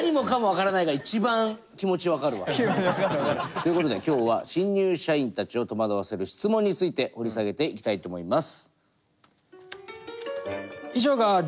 ということで今日は新入社員たちを戸惑わせる質問について掘り下げていきたいと思います。